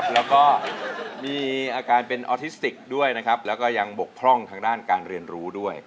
แล้วก็มีอาการเป็นออทิสติกด้วยนะครับแล้วก็ยังบกพร่องทางด้านการเรียนรู้ด้วย